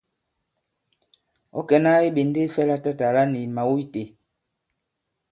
Ɔ̌ kɛ̀na iɓènde fɛ latatàla ni mào itē?